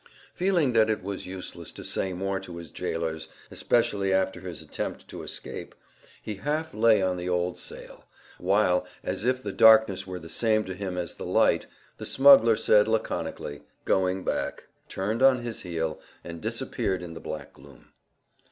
Feeling that it was useless to say more to his gaolers, especially after his attempt to escape, he half lay on the old sail; while, as if the darkness were the same to him as the light, the smuggler said laconically, "Going back!" turned on his heel, and disappeared in the black gloom.